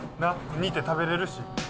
煮て食べれるし。